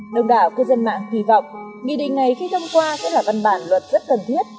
đông đảo cư dân mạng kỳ vọng nghị định này khi thông qua sẽ là văn bản luật rất cần thiết